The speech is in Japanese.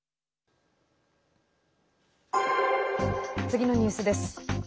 次のニュースです。